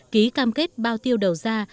ký cam kết bao tiêu đầu ra